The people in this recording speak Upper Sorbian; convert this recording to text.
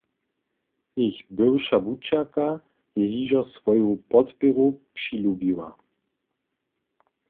Jich bywša wučerka je hižo swoju podpěru přilubiła.